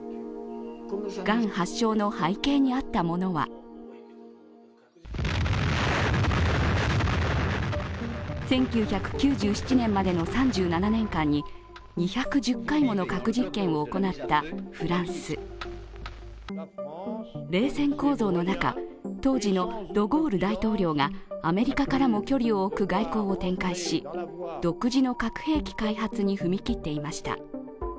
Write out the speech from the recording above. がん発症の背景にあったものは１９９７年までの３７年間に２１０回もの核実験を行ったフランス冷戦構造の中、当時のド・ゴール大統領がアメリカからも距離を置く外交を展開し、独自の核兵器開発に踏み切っていました。